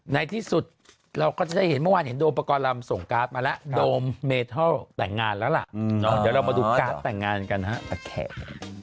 ในที่สุดเราก็จะเห็นเมื่อวานเห็นโดมปกรรมส่งการ์ดมาแล้วโดมเมเทิลต่างงานแล้วล่ะเดี๋ยวเรามาดูการ์ดต่างงานกันครับ